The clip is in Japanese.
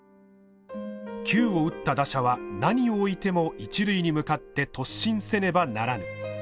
「球を打った打者は何をおいても一塁に向かって突進せねばならぬ」。